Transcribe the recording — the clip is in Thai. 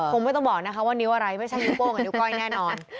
คงไม่ต้องบอกนะคะว่านิ้วอะไรไม่ใช่นิ้วโป้งกับนิ้ก้อยแน่นอน